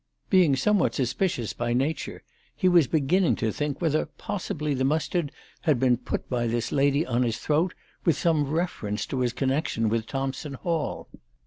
Being some what suspicious by nature, he was beginning to think whether possibly the mustard had been put by this lady on his throat with some reference to his connexion with Thompson Hall.